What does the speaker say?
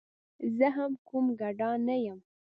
زه هم کوم ګدا نه یم.